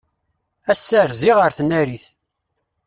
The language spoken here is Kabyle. Ass-a rziɣ ar tnarit.